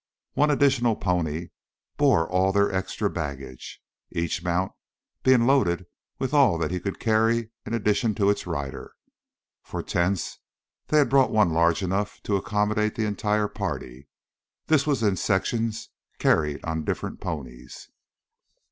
One additional pony bore all their extra baggage, each mount being loaded with all that he could carry in addition to its rider. For tents they had brought one large enough to accommodate the entire party. This was in sections, carried on the different ponies.